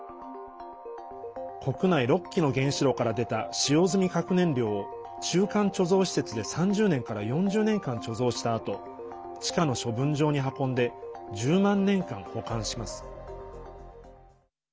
国内６基の原子炉から出た使用済み核燃料を中間貯蔵施設で３０年から４０年間貯蔵したあと地下の処分場に運んで１０万年間保管します。